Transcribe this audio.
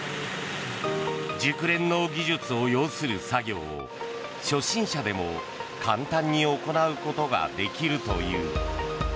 熟練の技術を要する作業を初心者でも簡単に行うことができるという。